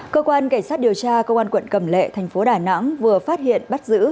cơ quan cảnh sát điều tra công an quận cầm lệ thành phố đà nẵng vừa phát hiện bắt giữ